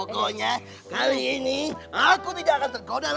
pokoknya kali ini aku tidak akan tergoda